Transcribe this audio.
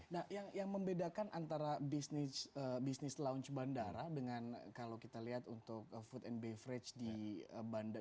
nah yang membedakan antara bisnis lounge bandara dengan kalau kita lihat untuk food and beverage di bandar